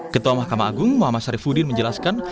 ketua mahkamah agung muhammad syarifudin menjelaskan